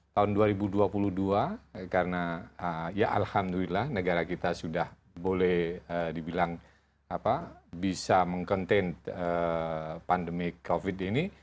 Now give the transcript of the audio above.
tahun dua ribu dua puluh dua karena ya alhamdulillah negara kita sudah boleh dibilang bisa meng contain pandemi covid ini